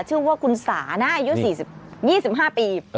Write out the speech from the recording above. ชื่อว่าคุณสานะอายุ๒๕ปี